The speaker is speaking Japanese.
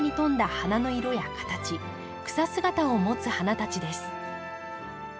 花の色や形草姿を持つ花たちです。